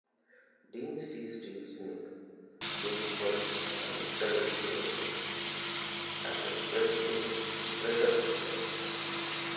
Deen cites Steve Smith, Neil Peart and Terry Bozzio as his greatest influences.